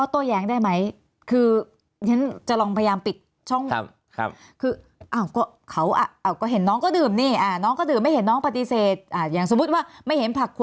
ถ้าคุณบอกหมอมีเราจะสั่งทราบให้